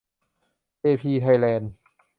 เอพี ไทยแลนด์